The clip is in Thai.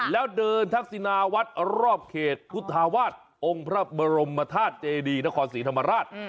แล้วเดินทักษินาวัดรอบเขตพุทธาวาสองค์พระบรมธาตุเจดีนครศรีธรรมราช